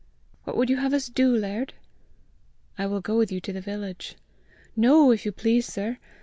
What would you have us do, laird?" "I will go with you to the village." "No, if you please, sir!